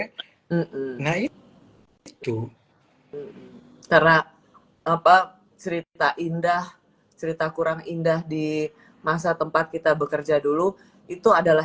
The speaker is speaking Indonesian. secara apa cerita indah cerita kurang indah di masa tempat kita bekerja dulu itu adalah